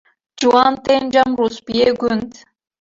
Ciwan tên cem rûspiyê gund.